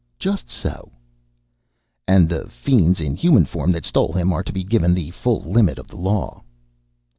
"Just so." "And the fiends in human form that stole him are to be given the full limit of the law?"